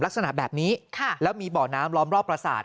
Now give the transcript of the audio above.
ลักษณะแบบนี้แล้วมีบ่อน้ำล้อมรอบประสาท